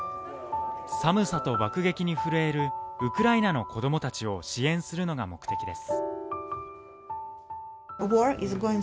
寒さと爆撃に震えるウクライナの子供たちを支援するのが目的です。